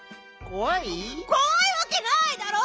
こわいわけないだろ！